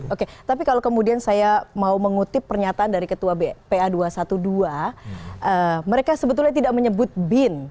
oke tapi kalau kemudian saya mau mengutip pernyataan dari ketua pa dua ratus dua belas mereka sebetulnya tidak menyebut bin